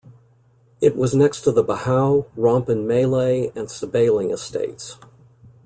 It was next to the Bahau, Rompin Malay and Sebaling estates.